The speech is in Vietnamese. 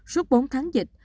suốt bốn tháng dịch